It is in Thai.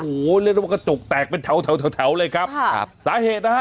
โอ้โหเรียกได้ว่ากระจกแตกเป็นแถวแถวแถวเลยครับค่ะครับสาเหตุนะฮะ